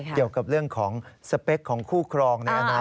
เกี่ยวกับเรื่องของสเปคของคู่ครองในอนาค